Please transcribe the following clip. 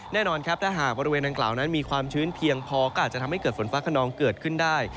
แน่นอนครับถ้าหากบริเวณดังกล่าวนั้นมีความชื้นเพียงพอก็อาจจะทำให้เกิดฝนฟ้าขนองเกิดขึ้นได้